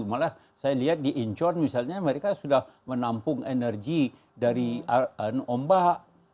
malah saya lihat di incheon misalnya mereka sudah menampung energi dari ombak